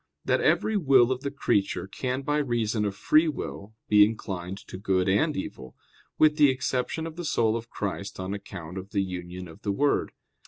6] that every will of the creature can by reason of free will be inclined to good and evil; with the exception of the soul of Christ on account of the union of the Word.